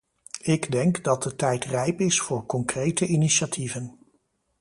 Ik denk dat de tijd rijp is voor concrete initiatieven.